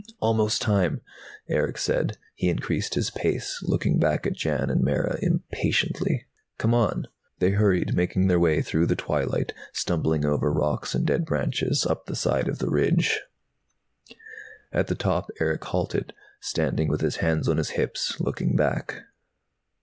"Almost time!" Erick said. He increased his pace, looking back at Jan and Mara impatiently. "Come on!" They hurried, making their way through the twilight, stumbling over rocks and dead branches, up the side of the ridge. At the top Erick halted, standing with his hands on his hips, looking back.